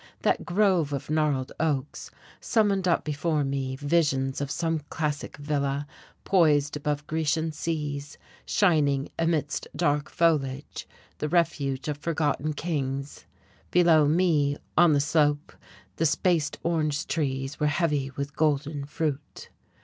That grove of gnarled oaks summoned up before me visions of some classic villa poised above Grecian seas, shining amidst dark foliage, the refuge of forgotten kings. Below me, on the slope, the spaced orange trees were heavy with golden fruit.